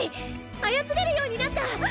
操れるようになった！